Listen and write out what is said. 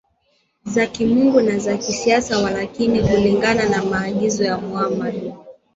za kimungu na za kisiasa Walakini kulingana na maagizo ya Mohammed